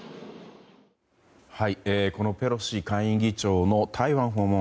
このペロシ下院議長の台湾訪問。